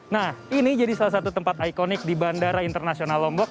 nah ini jadi salah satu tempat ikonik di bandara internasional lombok